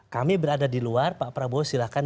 kami berada di luar pak prabowo silahkan